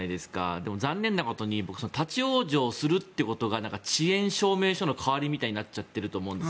でも残念なことに僕、立ち往生するっていうことが遅延証明書の代わりになってると思うんです。